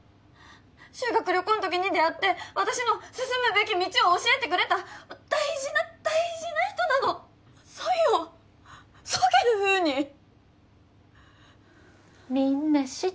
修学旅行ん時に出会って私の進むべき道を教えてくれた大事な大事な人なのそいをそげんふうにみんな知っ